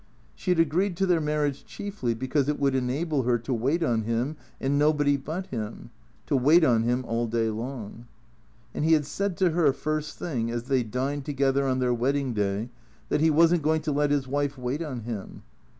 She had agreed to their marriage chiefly because it would enable her to wait on him and nobody but him, to wait on him all day long. And he had said to her, first thing, as they dined together on their wedding day, that he was n't going to let his wife wait on him.